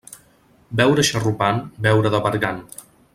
Beure xarrupant, beure de bergant.